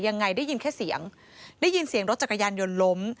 ยังไงได้ยินแค่เสียงได้ยินเสียงรถจักรยานยนต์ล้ม